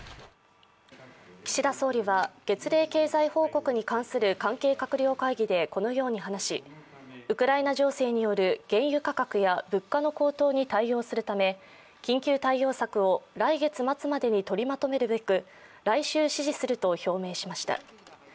岸田総理は月例経済報告に関する関係閣僚会議でこのように話し、ウクライナ情勢による原油価格や物価の高騰に対応するため緊急対応策を来月末までに取りまとめるべく来週指示すると表明しました。